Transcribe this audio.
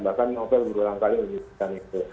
bahkan novel berulang kali menyebutkan itu